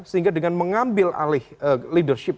sehingga dengan mengambil alih leadership